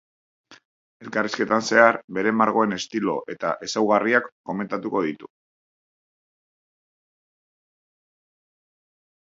Elkarrizketan zehar, bere margoen estilo eta ezaugarriak komentatuko ditu.